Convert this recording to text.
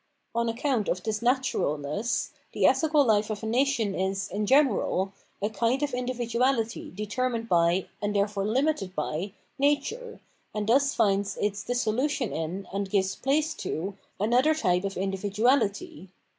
On account of this "naturalness," the ethical life of a nation is, in general, a kind of individuahty determined by, and therefore limited by, nature, and thus finds its dissolution in, and gives place to, another type of individuality.